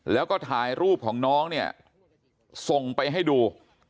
แล้วก็ถ่ายรูปของน้องเนี่ยส่งไปให้ดู